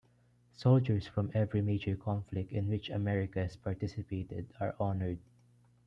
Soldiers from every major conflict in which America has participated are honored.